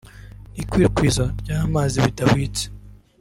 n’ikwirakwiza ry’aya mazi budahwitse